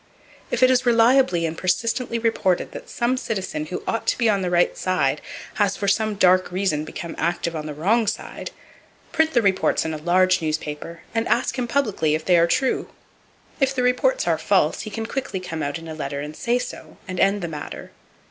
If it is reliably and persistently reported that some citizen who ought to be on the right side has for some dark reason become active on the wrong side, print the reports in a large newspaper, and ask him publicly if they are true. If the reports are false, he can quickly come out in a letter and say so, and end the matter.